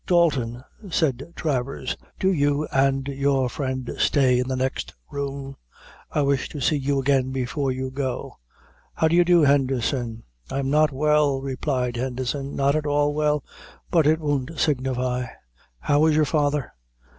"Dalton," said Travers, "do you and your friend stay in the next room; I wish to see you again before you go. How do you do, Henderson?" "I am not well," replied Henderson, "not at all well; but it won't signify." "How is your father?"